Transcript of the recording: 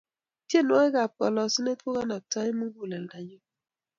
tienwokik ap kalasunet kokanaptai mukuleldo nyuu